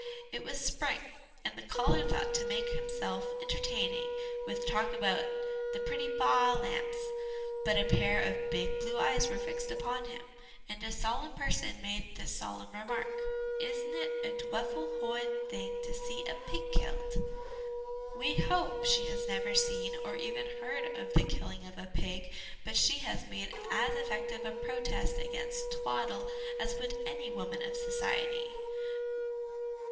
It was spring, and the caller thought to make himself entertaining with talk about the pretty ' baa lambs/ But a pair of big blue eyes were fixed upon him and a solemn person made this solemn remark, " Isn't it a dwefful howid thing to see a pig killed !" We hope she had never seen or even heard of the killing of a pig, but she made as effective a protest against twaddle as would any woman of Society.